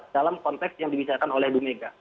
dalam konteks yang dibicarakan oleh bumega